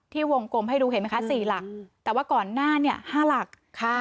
วงกลมให้ดูเห็นไหมคะ๔หลักแต่ว่าก่อนหน้าเนี่ย๕หลัก